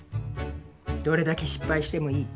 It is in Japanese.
どれだけ失敗してもいい。